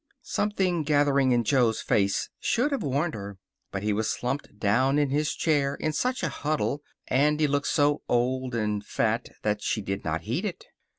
Something gathering in Jo's face should have warned her. But he was slumped down in his chair in such a huddle, and he looked so old and fat that she did not heed it.